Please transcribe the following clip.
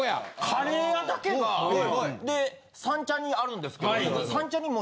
カレー屋だけが。で三茶にあるんですけど。